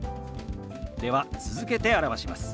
では続けて表します。